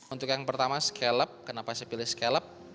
untuk yang pertama scallop kenapa saya pilih scallop